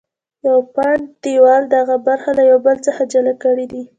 یو پنډ دیوال دغه برخې له یو بل څخه جلا کړې دي.